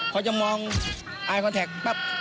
เขาจะมองไอล์คอนแท็กต์ปั๊บ